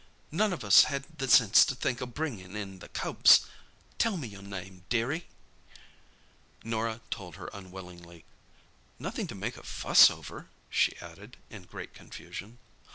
None of us had the sense to think o' bringin' in the cubs. Tell me your name, dearie." Norah told her unwillingly. "Nothing to make a fuss over," she added, in great confusion.